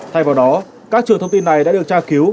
thay vào đó các trường thông tin này đã được tra cứu